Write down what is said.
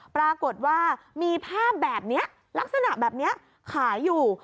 ปรากฏว่ามีภาพแบบนี้ลักษณะแบบนี้ขายอยู่